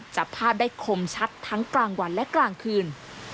จับภาพได้คมชัดทั้งกลางวันและกลางคืน